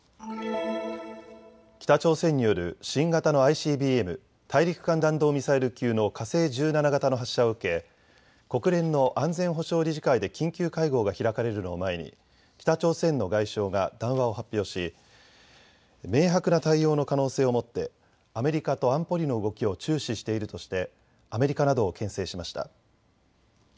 北朝鮮による新型のＩＣＢＭ・大陸間弾道ミサイル級の火星１７型の発射を受け国連の安全保障理事会で緊急会合が開かれるのを前に北朝鮮の外相が談話を発表し明白な対応の可能性をもってアメリカと安保理の動きを注視しているとしてアメリカなどをけん制しました。